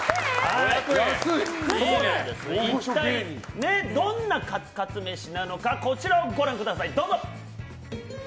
一体どんなカツカツ飯なのかこちらをご覧ください。